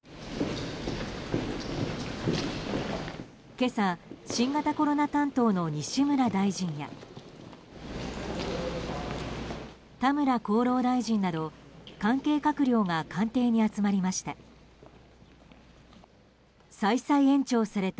今朝、新型コロナ担当の西村大臣や田村厚労大臣など関係閣僚が官邸に集まりました。